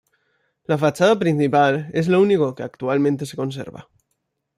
La fachada principal es lo único que actualmente se conserva.